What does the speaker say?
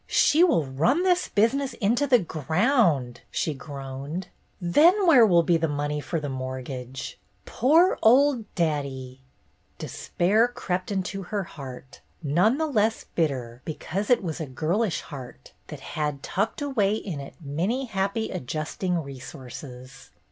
" She will run this business into the ground," she groaned. "Then where will be the money for the mortgage ! Poor old daddy !" Despair crept into her heart, none the less bitter because it was a girlish heart that had tucked away in it many happy adjusting re sources.